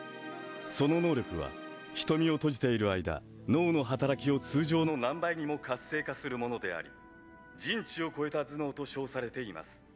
その能力は瞳を閉じている間脳の働きを通常の何倍にも活性化するものであり人知を超えた頭脳と称されています。